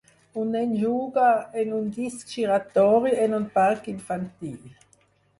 Un nen juga en un disc giratori en un parc infantil.